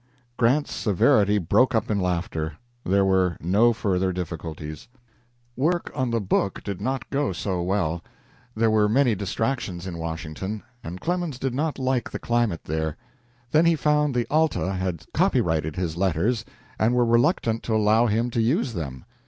Grant's severity broke up in laughter. There were no further difficulties. Work on the book did not go so well. There were many distractions in Washington, and Clemens did not like the climate there. Then he found the "Alta" had copyrighted his letters and were reluctant to allow him to use them.